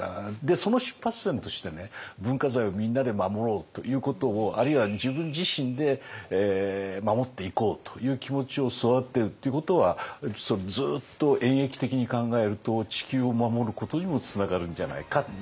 その出発点として文化財をみんなで守ろうということをあるいは自分自身で守っていこうという気持ちを育てるっていうことはずっと演えき的に考えると地球を守ることにもつながるんじゃないかなと思いますね。